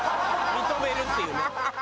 認めるっていうね。